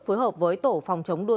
phối hợp với tổ phòng chống đuôi